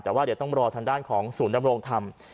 แต่ว่าเดี๋ยวต้องรอทางด้านของศูนย์ดำรงธรรม